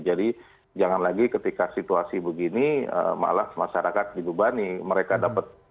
jadi jangan lagi ketika situasi begini malah masyarakat di dubani mereka dapat